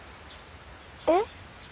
えっ？